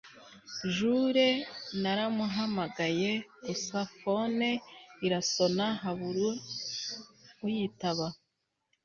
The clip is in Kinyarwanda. Jule naramuhamagaye gusa phone irasona habura uyitaba